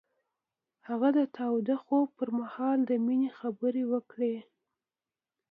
هغه د تاوده خوب پر مهال د مینې خبرې وکړې.